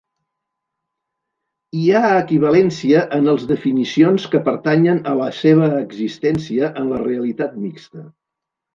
Hi ha equivalència en els definicions que pertanyen a la seva existència en la realitat mixta.